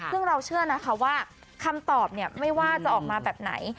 ซึ่งเราเชื่อนะคะว่าคำตอบเนี่ยไม่ว่าจะออกมาแบบไหน